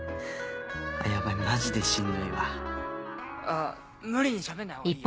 ヤバいマジでしんどいわ無理にしゃべんない方がいいよ。